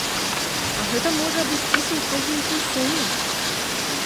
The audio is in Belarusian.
А гэта можа абысціся ў кругленькую суму.